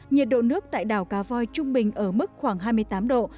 nhiệt độ nước tại đảo cá voi trung bình ở mức khoảng hai mươi tám độ